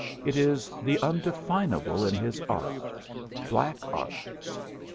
It is the undefinable in his art black art.